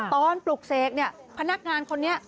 ปลุกเสกเนี่ยพนักงานคนนี้